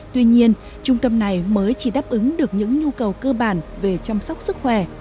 tuy nhiên trung tâm này mới chỉ đáp ứng được những nhu cầu cơ bản về chăm sóc sức khỏe